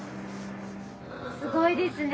すごいですね